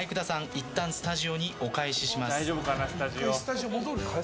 いったんスタジオにお返しします。